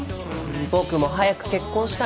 僕も早く結婚したいな。